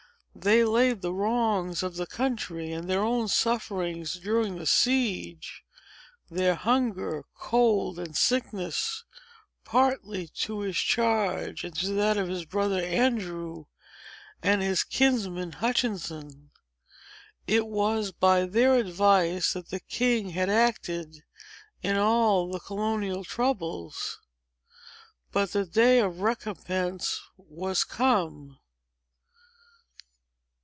They laid the wrongs of the country, and their own sufferings during the siege—their hunger, cold, and sickness—partly to his charge, and to that of his brother Andrew, and his kinsman Hutchinson. It was by their advice that the king had acted, in all the colonial troubles. But the day of recompense was come.